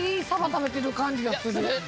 食べてる感じがする。